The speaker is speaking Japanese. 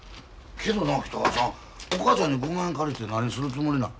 けどな北川さんお母ちゃんに５万円借りて何するつもりなん？